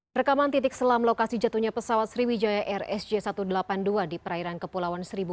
rekaman titik selam lokasi jatuhnya pesawat sriwijaya rsj satu ratus delapan puluh dua di perairan kepulauan seribu